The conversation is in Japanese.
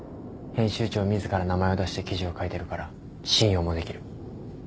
編集長自ら名前を出して記事を書いてるから信用もできる。